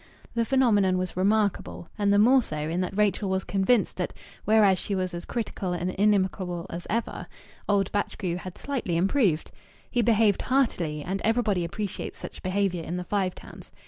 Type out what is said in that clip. The phenomenon was remarkable, and the more so in that Rachel was convinced that, whereas she was as critical and inimical as ever, old Batchgrew had slightly improved. He behaved "heartily," and everybody appreciates such behaviour in the Five Towns.